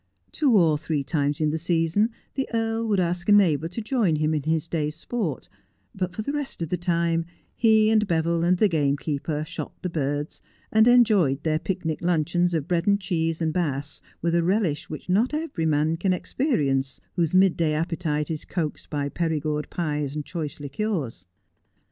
Two or three times in the season the earl would ask a neighbour to join him in his day's sport, but for the rest of the time he and Beville and the gamekeeper shot the birds, and enjoyed their pic nic luncheons of bread and cheese and Bass with a relish which not every man can experience whose mid day appetite is coaxed by Perigord pies and choice liqueurs.